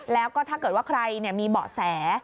แล้วก็ถ้าเกิดว่าใครมีเบาะแส